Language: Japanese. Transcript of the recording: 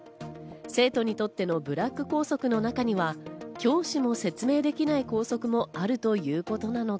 生徒にとってのブラック校則の中には教師も説明できない校則もあるということなのか？